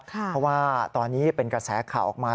เพราะว่าตอนนี้เป็นกระแสข่าวออกมา